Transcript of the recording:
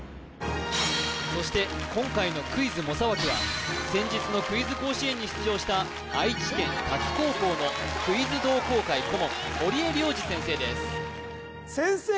そして先日のクイズ甲子園に出場した愛知県滝高校のクイズ同好会顧問堀江亮次先生です